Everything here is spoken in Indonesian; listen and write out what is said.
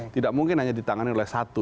tidak mungkin hanya ditangani oleh satu